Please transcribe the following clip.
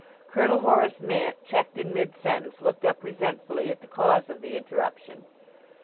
Colonel Horace Mant, checked in mid sentence, looked up resentfully at the cause of the interruption.